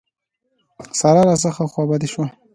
سارا راڅخه خوابدې شوه.